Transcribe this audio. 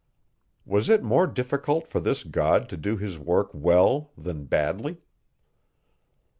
Was it more difficult for this God to do his work well, than badly?